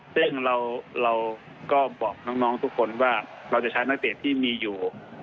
ซึ่งเราก็บอกน้องทุกคนว่าเราจะใช้นักเตะที่มีอยู่